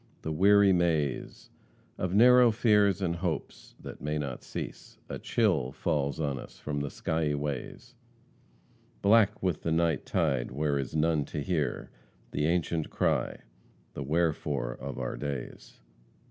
the weary maze Of narrow fears and hopes, that may not cease, A chill falls on us from the skiey ways, Black with the night tide where is none to hear The ancient cry, the wherefore of our days."